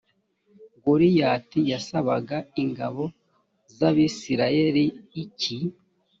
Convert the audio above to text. goliyati yasabaga ingabo z abisirayeli iki?